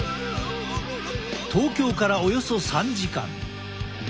東京からおよそ３時間。